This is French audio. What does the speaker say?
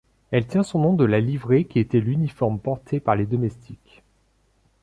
Elle tient son nom de la livrée qui était l'uniforme porté par les domestiques.